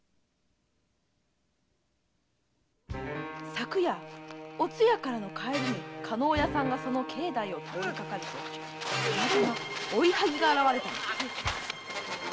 昨夜お通夜からの帰りに加納屋さんがその境内を通りかかるとたまたま追いはぎが現れたのです。